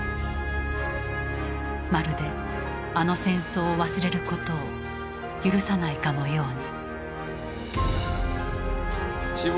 まるで「あの戦争」を忘れることを許さないかのように。